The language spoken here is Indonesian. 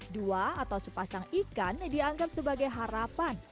dua atau sepasang ikan dianggap sebagai harapan